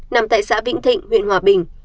nằm tại xã vĩnh thịnh huyện hòa bình